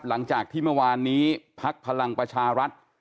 หลังจากที่เมื่อวานนี้พักพลังประชารัฐ